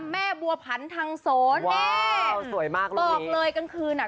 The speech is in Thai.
แม่บัวผันทางโสนี่สวยมากเลยบอกเลยกลางคืนอ่ะ